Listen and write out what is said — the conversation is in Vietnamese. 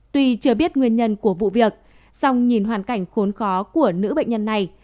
tuy chưa biết nguyên nhân của vụ việc song nhìn hoàn cảnh khốn khó của nữ bệnh nhân này